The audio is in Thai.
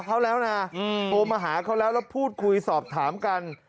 โทรมาหาเขาแล้วแล้วพูดคุยสอบถามกัน